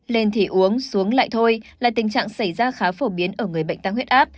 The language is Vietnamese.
lên thì uống xuống lại thôi là tình trạng xảy ra khá phổ biến ở người bệnh tăng huyết áp